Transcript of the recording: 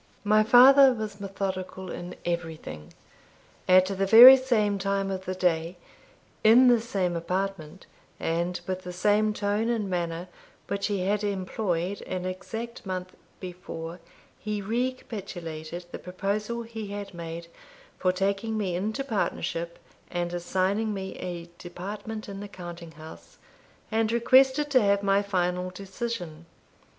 My father was methodical in everything. At the very same time of the day, in the same apartment, and with the same tone and manner which he had employed an exact month before, he recapitulated the proposal he had made for taking me into partnership, and assigning me a department in the counting house, and requested to have my final decision.